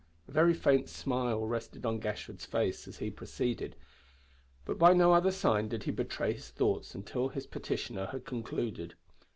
A very faint smile rested on Gashford's face as he proceeded, but by no other sign did he betray his thoughts until his petitioner had concluded.